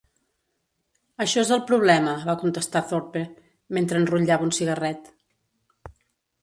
Això és el problema, va contestar Thorpe, mentre enrotllava un cigarret.